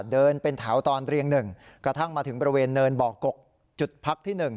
เดินเป็นแถวตอนเรียง๑กระทั่งมาถึงบริเวณเนินบ่อกกจุดพักที่๑